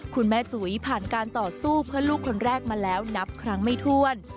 คุณแม่จุ๋ยผ่านการต่อสู้เพื่อลูกคนแรกมาแล้วนับครั้งไม่ถ้วน